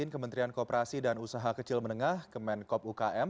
kementerian kooperasi dan usaha kecil menengah kemenkop ukm